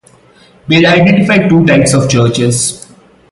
Bale identified two types of churches.